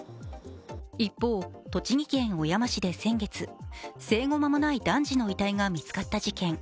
一方、栃木県小山市で先月、生後間もない男児の遺体が見つかった事件。